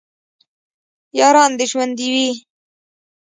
یاران دې ژوندي وي